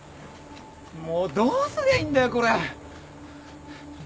もうどうすりゃいいんだよこれ。